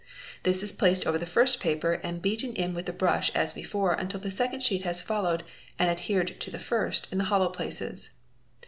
This is placed over the first paper and beaten in with the brush as before until the 2nd sheet has followed and adhered to the first in the hollow places.